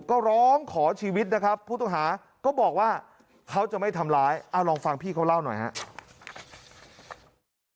ก็ร้องขอชีวิตนะครับผู้ต้องหาก็บอกว่าเขาจะไม่ทำร้ายเอาลองฟังพี่เขาเล่าหน่อยครับ